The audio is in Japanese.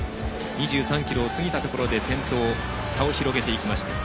２３ｋｍを過ぎたところで先頭差を広げていきました。